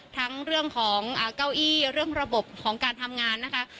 ทั้งเรื่องของเก้าอี้เรื่องระบบของการทำงานนะคะ